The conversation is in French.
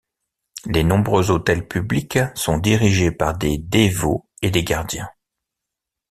Les nombreux autels publics sont dirigés par des dévots et des gardiens.